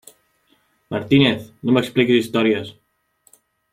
Martínez, no m'expliquis històries!